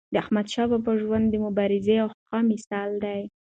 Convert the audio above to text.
د احمدشاه بابا ژوند د مبارزې یو ښه مثال دی.